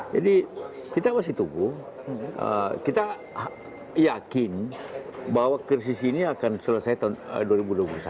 jadi kita masih tumbuh kita yakin bahwa krisis ini akan selesai dua ribu dua puluh satu